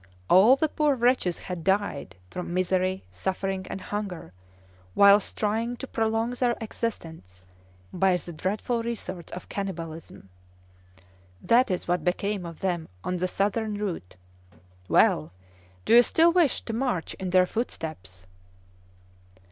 All the poor wretches had died from misery, suffering, and hunger, whilst trying to prolong their existence by the dreadful resource of cannibalism. That is what became of them on the southern route. Well! Do you still wish to march in their footsteps?"